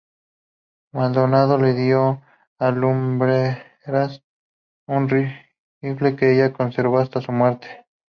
Maldonado le dio a Lumbreras un rifle que ella conservó hasta su muerte.